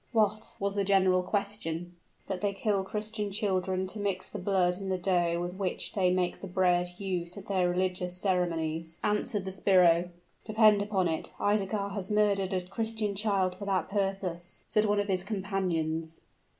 "What?" was the general question. "That they kill Christian children to mix the blood in the dough with which they make the bread used at their religious ceremonies," answered the sbirro. "Depend upon it. Isaachar has murdered a Christian child for that purpose!" said one of his companions.